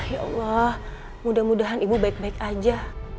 ya allah mudah mudahan ibu baik baik aja